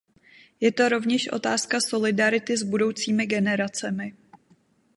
Je to rovněž otázka solidarity s budoucími generacemi.